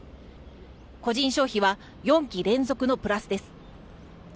個人消費は４期連続のプラスです。